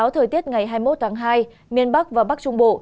thời tiết ngày hai mươi một tháng hai miền bắc và bắc trung bộ